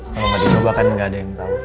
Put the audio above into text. kalau gak dicoba kan gak ada yang tau